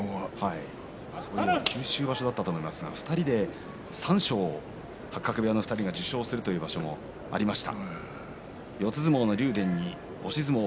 九州場所だったと思いますが２人で三賞八角部屋の２人が受賞する場所もありました。